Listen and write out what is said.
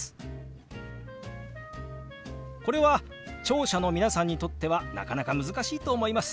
これは聴者の皆さんにとってはなかなか難しいと思います。